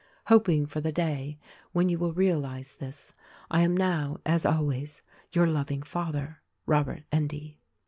"Hoping for the day when you will realize this, I am now, as always, Your loving father, Robert Endy."